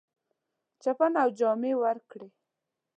چپنه او جامې ورکړې.